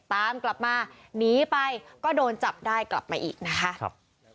ตามกลับมาหนีไปก็โดนจับได้กลับมาอีกนะคะ